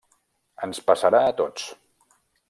Ens passarà a tots.